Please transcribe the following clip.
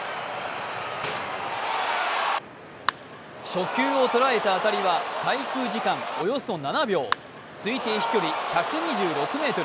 初球を捉えた当たりは滞空時間およそ７秒、推定飛距離１２６ｍ。